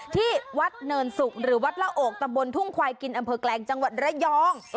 ที่วัดเนินสุกหรือวัดละโอกตำบลทุ่งควายกินอำเภอแกลงจังหวัดระยอง